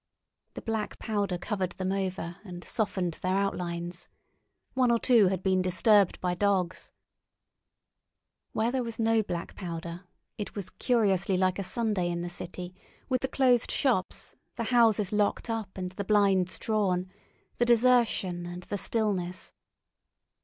The black powder covered them over, and softened their outlines. One or two had been disturbed by dogs. Where there was no black powder, it was curiously like a Sunday in the City, with the closed shops, the houses locked up and the blinds drawn, the desertion, and the stillness.